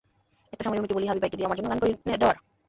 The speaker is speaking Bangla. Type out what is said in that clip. একটা সময় রুমিকে বলি, হাবিব ভাইকে দিয়ে আমার জন্য গান করিয়ে দেওয়ার।